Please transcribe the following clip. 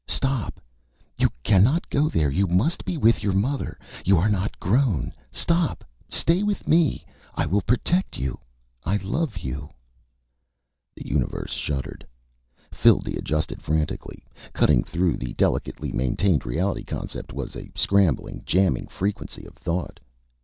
_Stop. You cannot go there. You must be with your mother. You are not grown. Stop. Stay with me. I will protect you. I love you._ The universe shuddered. Phildee adjusted frantically. Cutting through the delicately maintained reality concept was a scrambling, jamming frequency of thought.